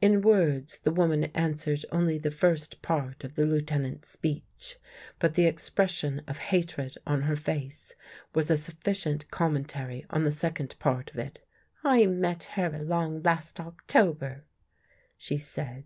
In words, the woman answered only the first part of the Lieutenant's speech, but the expression of hatred on her face was a sufficient commentary on the second part of it. " I met her along last October," she said.